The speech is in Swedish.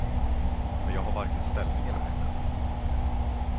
Men jag har varken ställning eller pengar.